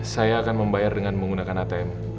saya akan membayar dengan menggunakan atm